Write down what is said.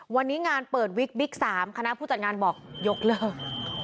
วันนี้งานเปิดวิกบิ๊ก๓คณะผู้จัดงานบอกยกเลิก